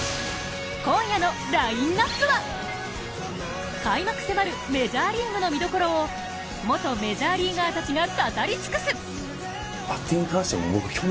今夜のラインナップは開幕迫るメジャーリーグの見どころを元メジャーリーガーたちが語り尽くす。